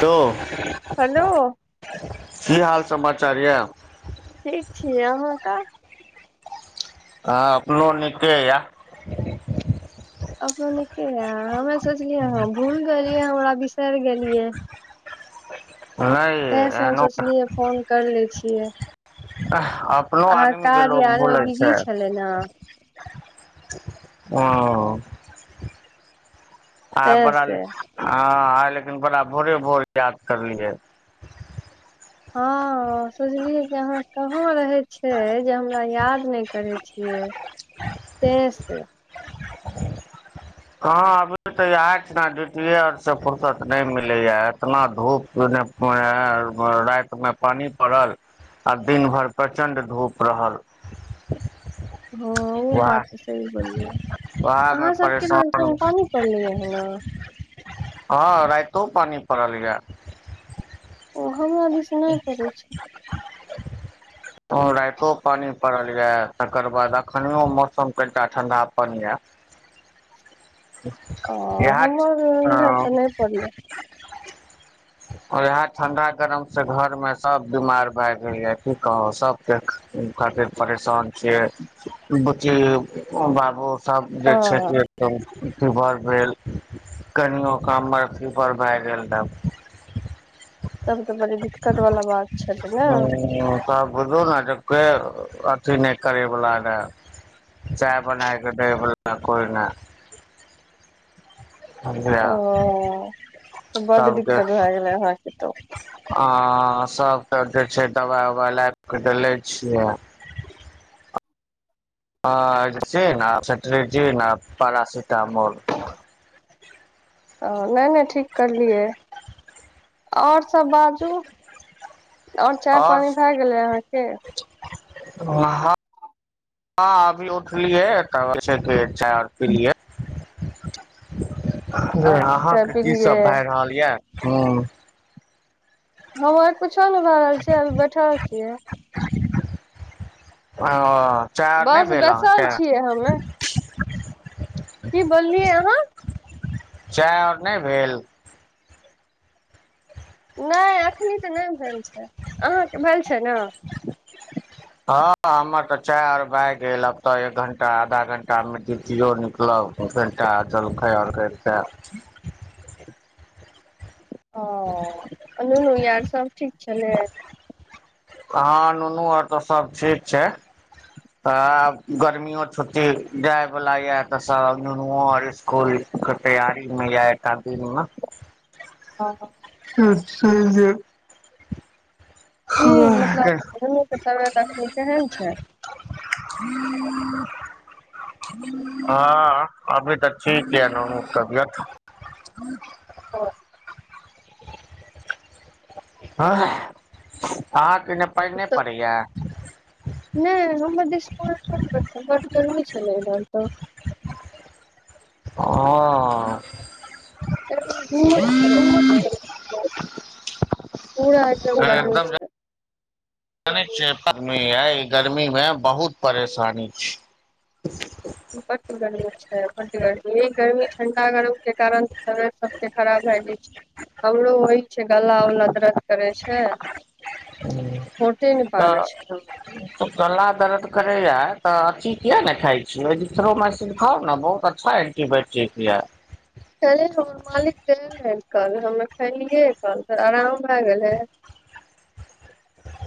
द [unintelligible] hello. की हाल समाचार या। ठीक छीय, अहाँ काॅ। हँ अपनो नीकें या। अपनो नीकें येँ, हमरा सोचलियै अहाँ भूल गेलियै हमरा बिसेर गेलियै। त हय। तैं सब सॅ सोचलियै फोन कर ले छियै। अपनों अहाँ आदमी के काज लोक आर मे भुलै बिजी छैय। छलै ने अओंऽ आय तैं बड़ा ले से हँ, आय लेकिन बड़ा भोरे -भोरे याद करलियै। हँ सोझलियै जे अहाँ कहाँ रहै छियै जें हमरा याद नहि करें छी। किया, तेँ से। कहाँ अभी तऽ इहें बाद डूटीए आओर सब फुुरसत नहि मिलैया, एतना धूप नेए पडै है पड़ल, राति में पानी पड़ल, आ दिन भरि प्रचंड धूप रहल। हँ उ बात तऽ वएह सही बोललियै है, वएह मे अहाँ सबके धान परेशान छौ पानी पड़लैया अहिना। हँ रातिओं पानि पड़ल या। ओ हमरा दिस नहि परै छै। हँ रातिओ पानी पड़ल ये, तकर बाद अखनियों मौसम करिटा ठन्डापन ये। अ इएह हम्मर इहाँ तऽ नहि इएह पड़ले। आओर इहै ठन्डा गरम सेँ घर में सब बीमार भय गेलैया, पी क सब कियाक उ खातिर परेशान छियै, बुचि लेब ओ बाबू तब जें छैय आ सें एक टम फिवर भेल। कनिऔं केँ हम्मर फिभर भऽ गेल तब। तब त बड़ी दिक्कत बला बात छलै नैए। हुं तब। बुझू नें जे के अथी नहि करैबला रहय। चाय बनाय के दैय बला कोइ नहि। बझलौ, ओ तऽ बड तबके। दिक्कत भए गेलै अहाँके तऽ आँ--सभ तँ जें छै, दवाइ उवाइ लाबि कऽ देलै छियै। अँ ए जे छै ना सेटरिजीन आओर पारासिटामोल। ओऽ नहि -नहि ठीक करलियैये। और सब बाजू, और चाय आओर पानी भऽ गेलै अहाँकेँ। हँ -हँ अभी उठलियै। तब, सभे चाय और पीलियै। ओ चाय अहाँके की पिलियै सब भऽ रहल ये, हुँ हमर किछो नहि भऽ रहल अछि, अभी बैठल छियै। ओंऽ। बस बैसल छियै हम, की बोललियै अहाँ। चाय और नहि भेल। नहि एखन तऽ नहि भेल छै, अहाँके भेल छै ने। हँ हमर तऽ चाय आय भऽ गेल अब तऽ एक घण्टा आधा घण्टा मेँ ड्युटियों निकलब। कनिटा जलखै और भेटितयऽ। ओ ननू यार सब ठीक छलै। अहां, नुनू आर तऽ सब ठीक छैय। हां, गर्मियो छुट्टी जाय वाल ये त सब नुनु और इसकुल तैयारी मे ये एकाध दिनमे। हां। त स जे [unintelligible] कि हँ मतलब नुनु के तबियत अखैन केहन छै? [unintelligible] हँ, अभी तऽ ठीक ये नुनु के तबियत। हँ। [unintelligible] हां, अहाँके ने पानि नै तऽ पड़ैये। नहि हमरा दिस पानि नै परैये, बड गरमी छलै इमहर त। हां। एकदम उमस करै छै, पूरा एकदम गर्मी छै। [inaudible] सुनै छियै पद्मी यै, ई गर्मीमे बहुत परेशानी छै। बड गरमी छै, बड गर्मी, गर्मी ठंडा गरम के कारण तबियत सबके खराब भ जाइ छै। हमरो होइ छै गला उला दरद। करै छै, खोटे न पाबे तऽ छियै हम। गला दर्द करैये तऽ अथि किया ने खाइ छी [unintelligible] खाउ ने बहुत अ फाइन के एन्टीबायोटिक ये। कहले हमर मालिक रहे कल हम खेलियै कल त आराम भए गेल हे।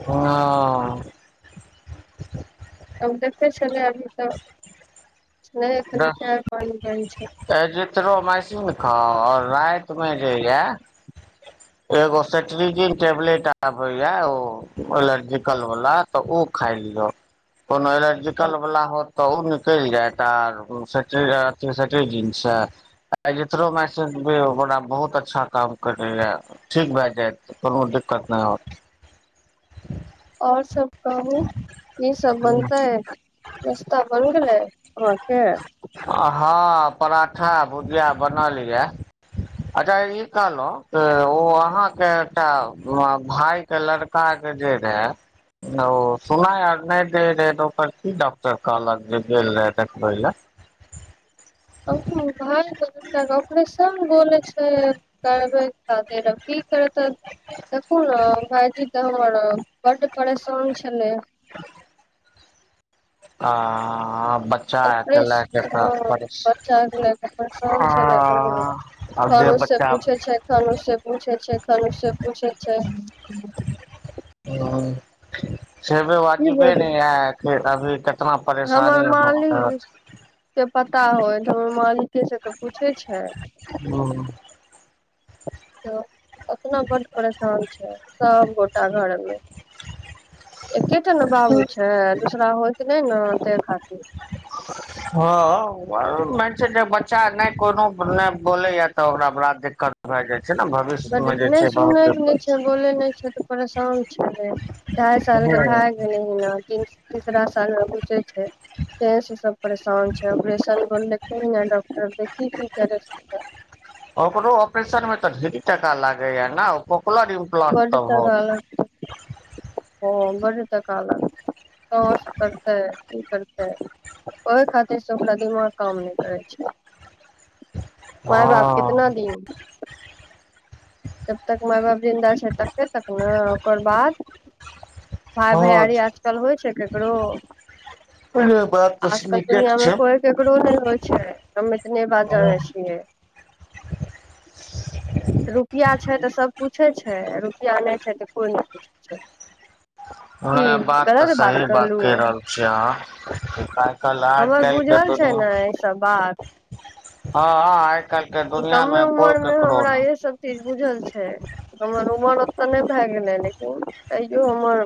हां। अब देखतै छलियै अभी तऽ नै अभी चाय पानी भरि छै। एजिथरो माएसीन खाउ और राति मे जे या एगो सेटरीजिन टेबलेट आबे या ओ एलर्जिकल वला तऽ ओ खाइयौ ओना एलर्जिकल बला होत त ओ निकेल जायत आर सेटरीजीन से। एजिथरोमाइसीन भी बड़ा बहुत अच्छा काम करै ये। ठीक भए जाएत, कोनो दिकत नै होत। और सब। कहू की सब होत बनतै, नस्ता बनि गेलै अहाँके। हाँ पराठा-भुजिया बनल या। अच्छा ई कहलौ उ अहाँके एकटा भाय के लड़ का जे रहा। ओ सुनाय आर नै दे रहे तऽ ओकर की डॉक्टर कहलक जे गेल रहाए देखबै लाए? अभी तो भाई के बेटा कऽ ऑपरेशन बोले छै। करबै करते तब की करतै। देखु नऽ भाईजी तऽ हमर बड्ड परेशान छलै। [inaudible] आँआँ बच ओपरेश, हाँ बच्चा भेले त परेशान छलै बहुत। आब जे कनु-से बच्चा पूछे छै, कनु से पूछे छै, कनु से पूछे छै। ओ सेबे की वाजिबे बतबै नै हात [unintelligible] एक दा भी। ऐतना परेशानी में परल छी। से पता होयत हमर मालिके से त पूछे छै। हाँ। तऽ ओतना बड परेशान छै सबगोटा घरमे। एकेटा नऽ बाबू छै दूसरा होएत नै नऽ तैए खातिर। हँ, छै जे बच्चा नहि कोनो नहि बोलैय तऽ ओकरा बड़ा दिक्कत भए जाइ छै ने भ बड नहि सुनय नहि छै, बोलै नहि छै, तऽ परेशान छले। ढ़ाइ साल के छै भै गेलै हिना तीन तीसरा साल मे घुसे छै, तै से सब परेशान छै ऑपरेशन बोललके डॉक्टर देखी कि करै ओकरो ऑपरेशन मे तऽ ढेरी टाका लागे या ने इम्प्लांट बड तऽ टका होत लगत ओ बड टका लगत। कहां स करतै, कि करतै? ओहि खातिर से ओकरा दिमाग काम नहि करै छै। माय बाप कितना दिन? जब तक माइ बाप जिन्दा छै, तबे तक ने ओकर बाद? भाय भैयारी हँ आजकल होइ छै ककरो बात तऽ आजकल नीके दुनिया मे छै कोई केकरो नहि होइ छै हम इतने बात जानै छियै। रुपआ छै तऽ सब पूछै छै, रुपैआ नहि छै तऽ कोइ नहि पूछै छै। की न बात ते गलत सही बात कहलू कह रहल छी अहाँ क आज हमर काइल के बुझल छै दुनिया ने ईसब बात हँ अं अए कलके ई कमे दुनियामे कोइ उमर मे ककरो हमरा नहि। इहे सब चीज बुझल छै। हमर उमर ओतऽ नहि भए गेलै, लेकिन तैयो हमर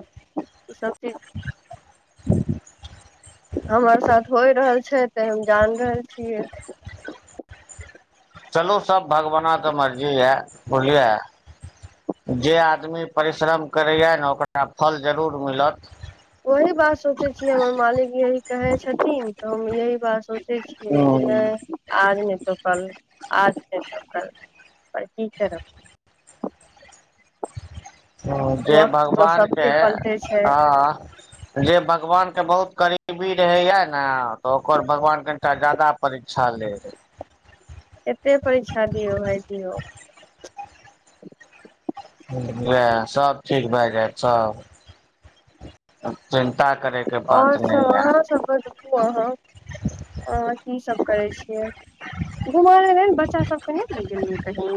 ईसभ चीज [inaudible] हमर साथ होइ रहल छै, तऽ हम जान रहल छियै। चलू सब भगवान तऽ मर्जी यऽ, बुझलियै? जे आदमी परिश्रम करैए ने ओकरा ट फल जरूर मिलत। ओही बात सोचै छियै, हमर मालिक यही कहै छथिन तऽ हम यही बात सोच छियै, कि नहि आज नहि तऽ कल आज नहि तऽ कल पर की करब। जे वक्त तो भगवानके सबके पलटे छै आहाँ जे भगवानके बहुत करीबी रहैया ने तऽ ओकर भगवान कनिटा जादा परीक्षा लै रहै। केते परीक्षा दिऔ भाईजी यौ। वेएह सब ठीक भए जायत सब। चिन्ता करे के बात आओर सब नहि य आहा सब बाजू अहाँ, अहाँ की सब करै छियै घुम लेल बच्चा सब कनेक लैग गेलीए कही।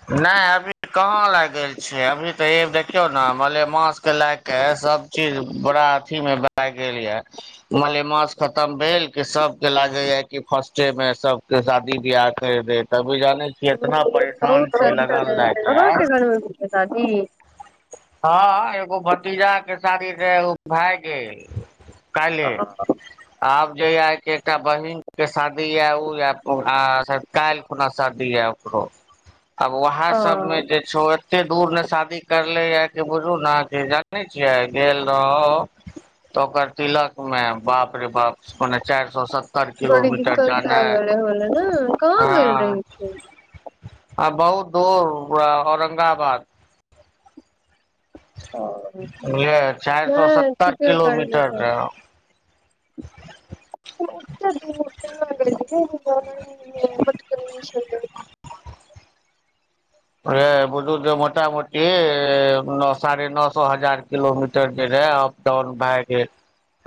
नैय अभी कहाँ लाग गेल छै अभी तऽ ए देखियौ ने मलेमासके लाग के सब चीज बरा अथी मे भए गेल ये। मलेमास खतम भेल कि सभके लागे या कि फर्स्टे मे सब शादी बियाह कैर दे तभी जाने छियै इतना परेशान। बहुत छियै शादी लगन छै। लए अहाँ के घरमे भी छैे शादी? हँ एगो भतीजा के सादी रहे ओ भाय के। अ काइल्हे। आब जे ये कि एकटा बहिन के शादी ये, उ ये आ काइल अपना शादी ये ओकरो। [inaudible] अब वहां सब में जे छो एते दूर ने शादी करले ये। जे बुझू ना कि जानै छियै गेल रहौ। तऽ ओकर तिलकमे बाप रे बाप पोने चैर सौ स [unintelligible] बड़ी किलोमीटर दिक्कत भए जानाय गेलै होले ने ह। आ कहाँ गेल रही बहुत दूर औरंगाबाद ओ बुलिए चैरसो नहि सत्तर ठीके करले किलोमीटर तऽ रह उतेक दूर [unintelligible] [unintelligible] छलै अे बुझू जे मोटा मोटी न साढ़े नसो हजार किलोमीटर जे रहै डाउन भए गेल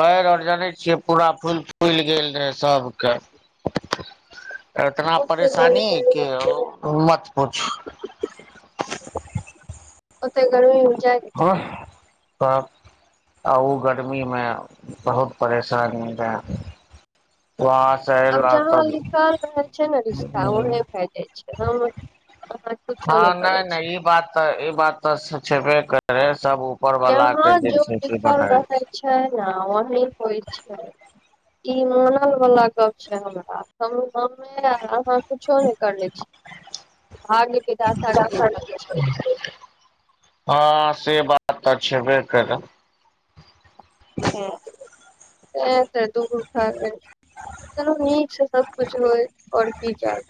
पैर आऔर जानै छियै, पूरा फूल फूलि गेल रहे सबके। [inaudible] एतना ओते परेशानी गर्मी कि मत पूछू। ओते गर्मी में जाय [unintelligible] आ ओ गर्मीमे बहुत परेशानी रहै। वास आब जहाँ लिखल रहै छै ने रिश्ता ओहे भेए जाइ छै। हम अह हँ नै - नै इ बात तऽ इ बात तऽ छेबे करे सब उपरवला के जहाँ जे जो छै से लिखल बनाइ रहे छै। छै न वही होइ छै। इ मानल वाला गप छै, हमरा हमु अहा कुछो ने करले छी, भाग्य विधाता के छै लिखल छै। हँ से बात तऽ छेबे करै। ए त दूबर खाके [unintelligible] चलू नीक से सब कुछ होय, और की चाहि।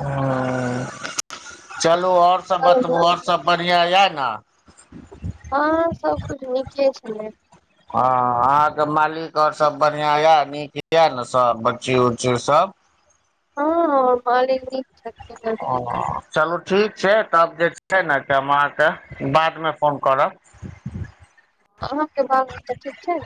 ह चलू आओर सब चलू बतबू आओर सब बढ़ियां एहे न हँ सबकुछ नीके छै हँ अहांके मालिक और सब बढ़ियां ये नीक ये ने सब बच्ची उच्ची सब हँ हॅं [inaudible] ह चलू ठीक छै तब जे छै ने हम अहाँके बादमे फोन करब। अहों के बाल बच्चा ठीक छत।